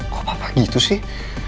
kok papa gitu sih